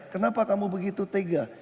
kenapa kamu begitu tega